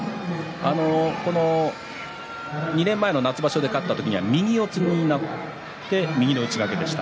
２年前の夏場所で勝った時には、右四つになって右の内掛けでした。